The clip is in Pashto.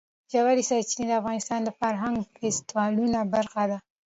ژورې سرچینې د افغانستان د فرهنګي فستیوالونو برخه ده.